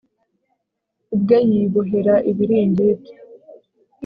ubwe yibohera ibiringiti